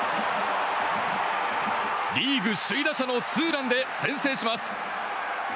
リーグ首位打者のツーランで先制します。